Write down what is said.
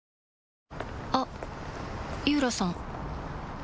あっ井浦さん